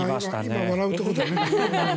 今のは笑うところだね。